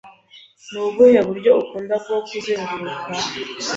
Nubuhe buryo ukunda bwo kuzenguruka?